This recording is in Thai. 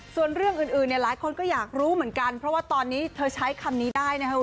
ส่วนเรื่องอื่นในหลายคนก็อยากรู้เหมือนกันเพราะว่าตอนนี้เธอใช้คำ